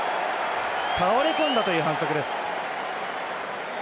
倒れ込んだという反則です。